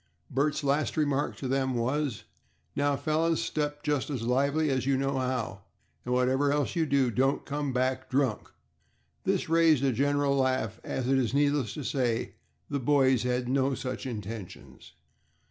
Bert's last remark to them was, "Now, fellows, step just as lively as you know how, and whatever else you do, don't come back drunk." This raised a general laugh, as, it is needless to say, the boys had had no such intentions.